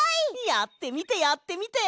やってみてやってみて！